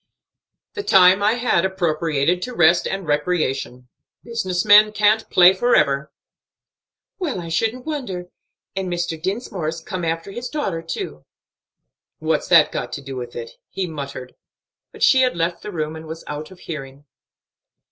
"The time I had appropriated to rest and recreation. Business men can't play forever." "Well, I shouldn't wonder. And Mr. Dinsmore's come after his daughter, too." "What's that got to do with it?" he muttered. But she had left the room and was out of hearing.